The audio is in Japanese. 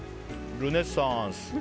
ルネッサンス！